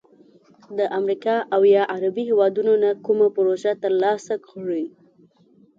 د امریکا او یا عربي هیوادونو نه کومه پروژه تر لاسه کړي،